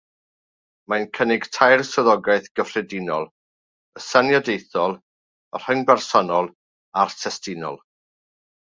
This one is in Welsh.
Mae'n cynnig tair swyddogaeth gyffredinol: y “syniadaethol”, y “rhyngbersonol” a'r “testunol”.